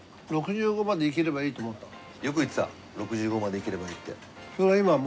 よく言ってた「６５まで生きればいい」って。